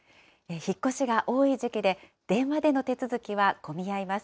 引っ越しが多い時期で、電話での手続きは混み合います。